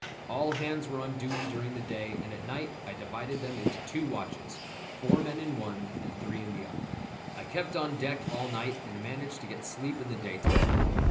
All hands were on duty during the day, and at night I divided them into two watches, four men in one and three in the other. I kept on deck all night, and managed to get a sleep in the daytime.